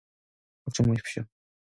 걱정 마십시오.